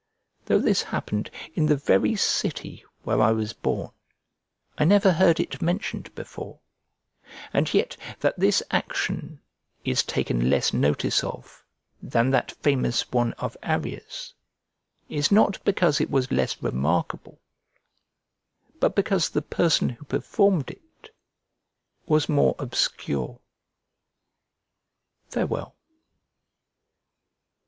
Though this happened in the very city where I was born, I never heard it mentioned before; and yet that this action is taken less notice of than that famous one of Arria's, is not because it was less remarkable, but because the person who performed it was more obscure. Farewell.